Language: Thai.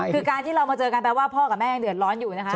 คือการที่เรามาเจอกันแปลว่าพ่อกับแม่ยังเดือดร้อนอยู่นะคะ